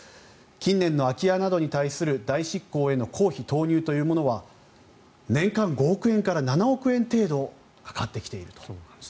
近年の空き家などに対する代執行の公費投入には年間５億円から７億円程度かかってきていると。